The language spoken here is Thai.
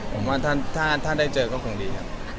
ผมว่าถ้าได้เจอก็คงดีครับ